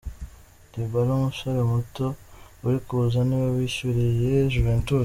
Dybala umusore muto uri kuza niwe wishyuriye Juventus